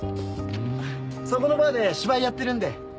そこのバーで芝居やってるんで。